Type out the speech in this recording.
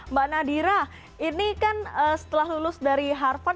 mbak nadira ini kan setelah lulus dari harvard